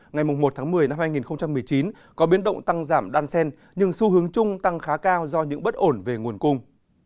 ngày một tháng một mươi năm hai nghìn một mươi chín có biến động tăng giảm đan sen nhưng xu hướng chung tăng khá cao do những bất ổn về nguồn cung